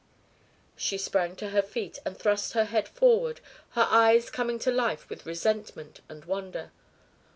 She sprang to her feet and thrust her head forward, her eyes coming to life with resentment and wonder.